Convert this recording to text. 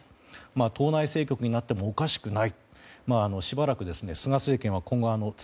党内政局になってもおかしくない。